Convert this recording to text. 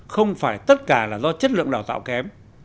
không phải tất cả là do chất lượng đào tạo kém